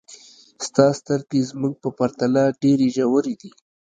ستا سترګې زموږ په پرتله ډېرې ژورې دي.